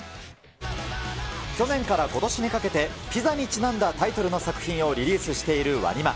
去年からことしにかけて、ピザにちなんだタイトルの作品をリリースしているＷＡＮＩＭＡ。